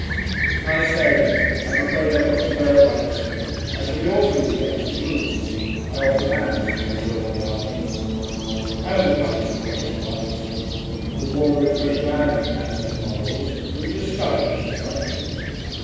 'I say, I'm afraid I've got to go at once. I shall be awfully late and rude. I often am, since I joined the army. I was a punctual person once. The war is very bad for manners and morals, have you discovered, Mrs. Frampton?'